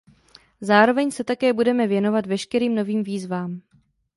Zároveň se také budeme věnovat veškerým novým výzvám.